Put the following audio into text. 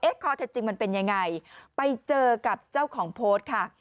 ข้อเท็จจริงมันเป็นยังไงไปเจอกับเจ้าของโพสต์ค่ะ